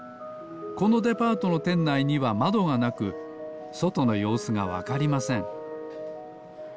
このデパートのてんないにはまどがなくそとのようすがわかりません。